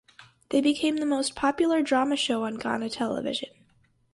They became the most popular drama show on Ghana television.